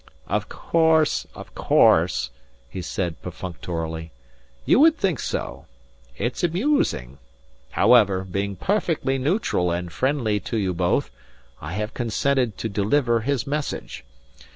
"Of course! Of course!" he said perfunctorily. "You would think so. It's amusing. However, being perfectly neutral and friendly to you both, I have consented to deliver his message.